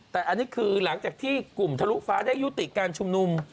แต่อันนี้คือหลังจากที่กลุ่มทะลุฟ้าได้ยุติการชุมนุม